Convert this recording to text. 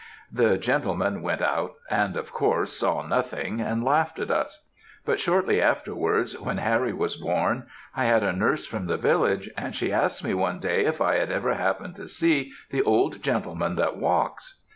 The gentlemen went out, and, of course, saw nothing, and laughed at us; but shortly afterwards, when Harry was born, I had a nurse from the village, and she asked me one day, if I had ever happened to see "the old gentleman that walks!"